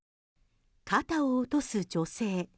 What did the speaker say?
肩を落とす女性。